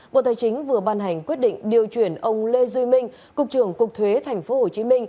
bộ tài chính vừa ban hành quyết định điều chuyển ông lê duy minh cục trưởng cục thuế tp hcm